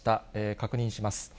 確認します。